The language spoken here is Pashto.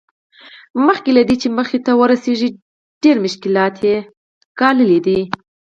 مخکې له دې چې موخې ته ورسېږي ډېرې سختۍ یې ګاللې دي